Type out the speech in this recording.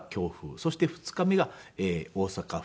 そして２日目が大阪風。